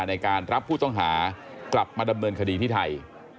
ในการรับผู้ต้องหากลับมาดำเนินคดีที่ไทย